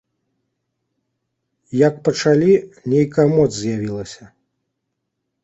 Як пачалі, нейкая моц з'явілася.